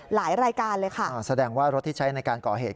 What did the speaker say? หลายรายการเลยค่ะอ่าแสดงว่ารถที่ใช้ในการก่อเหตุ